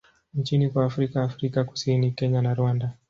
nchini kwa Afrika Afrika Kusini, Kenya na Rwanda.